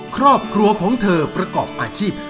ครอบครัวของเธอประกอบอาชีพ